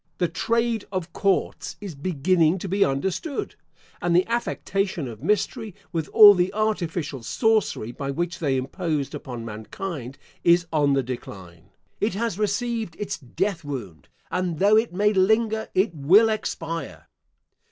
The trade of courts is beginning to be understood, and the affectation of mystery, with all the artificial sorcery by which they imposed upon mankind, is on the decline. It has received its death wound; and though it may linger, it will expire.